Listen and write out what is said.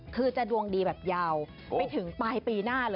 คือจะดวงดีแบบยาวไปถึงปลายปีหน้าเลย